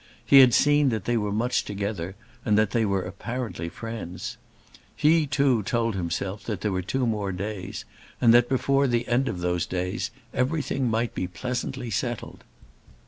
He had seen that they were much together and that they were apparently friends. He too told himself that there were two more days, and that before the end of those days everything might be pleasantly settled!